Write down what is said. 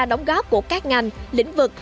đóng góp của các ngành lĩnh vực